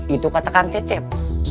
itu kata kang cecep